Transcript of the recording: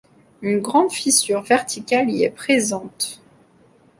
Une grande fissure verticale y est présente.